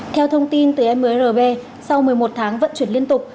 theo thông tin từ mrb sau một mươi một tháng vận chuyển liên tục